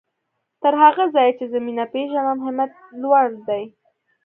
تر هغه ځايه چې زه مينه پېژنم همت يې لوړ دی.